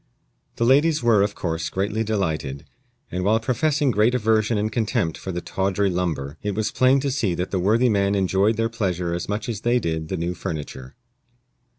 The ladies were, of course, greatly delighted; and while professing great aversion and contempt for the "tawdry lumber," it was plain to see that the worthy man enjoyed their pleasure as much as they did the new furniture.